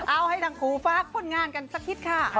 เอาให้ทางครูฟาร์กพลงานกันสักทิศค่ะ